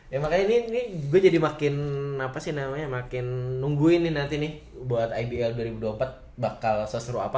ya makanya ini gue jadi makin apa sih namanya makin nungguin ini nanti nih buat ibl dua ribu dua puluh empat bakal seseru apa